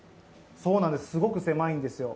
そうなんです、すごく狭いんですよ。